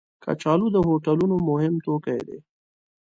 کچالو د هوټلونو مهم توکي دي